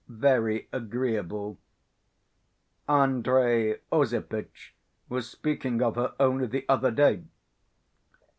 Very agreeable. Andrey Osipitch was speaking of her only the other day."